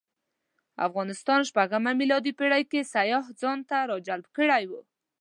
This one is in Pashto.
افغانستان شپږمه میلادي پېړۍ کې سیاح ځانته راجلب کړی و.